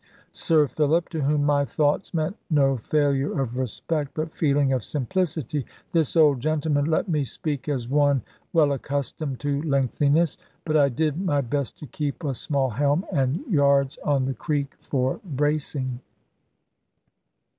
Sir Philip (to whom my thoughts meant no failure of respect, but feeling of simplicity), this old gentleman let me speak as one well accustomed to lengthiness. But I did my best to keep a small helm, and yards on the creak for bracing.